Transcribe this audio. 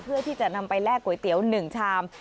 เพื่อที่จะนำไปแลกก๋วยเตี๋ยว๑ชาม